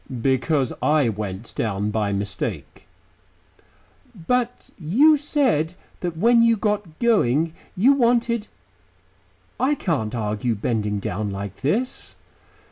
"Because I went down by mistake." "But you said that when you got going, you wanted I can't argue bending down like this."